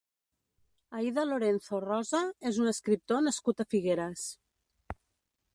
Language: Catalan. Aïda Lorenzo Rosa és un escriptor nascut a Figueres.